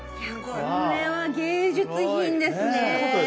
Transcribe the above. これは芸術品ですね！